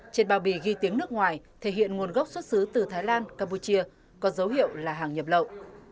trên bao bì ghi tiếng nước ngoài thể hiện nguồn gốc xuất xứ từ thái lan campuchia có dấu hiệu là hàng nhập lậu